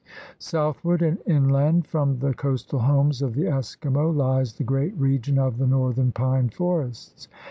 Southward and inland from the coastal homes of the Eskimo lies the great region of the northern pine forests.